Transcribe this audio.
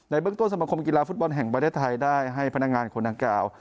เบื้องต้นสมคมกีฬาฟุตบอลแห่งประเทศไทยได้ให้พนักงานคนดังกล่าว